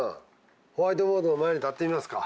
ホワイトボードの前に立ってみますか。